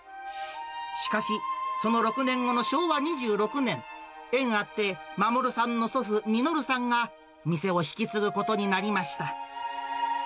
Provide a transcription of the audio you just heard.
しかし、その６年後の昭和２６年、縁あって、守さんの祖父、實さんが店を引き継ぐことになりました。